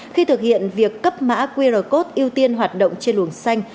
khi thực hiện việc cấp mã qr code ưu tiên hoạt động trên luồng xanh